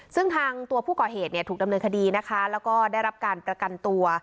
ซึ่งทางตัวผู้ก่อเหตุเนี่ยถูกดำเนินคดีนะคะแล้วก็ได้รับการประกันตัว